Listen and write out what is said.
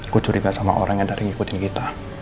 gua curiga sama orang yang tadi ngikutin kita